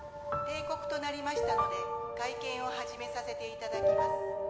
定刻となりましたので会見を始めさせていただきます